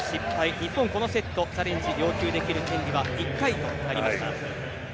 日本、このセットチャレンジを要求できる権利は１回となりました。